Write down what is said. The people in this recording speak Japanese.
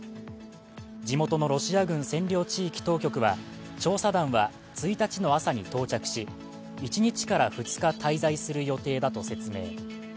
地元のロシア軍占領地域当局は、調査団は１日の朝に到着し１日から２日滞在する予定だと説明。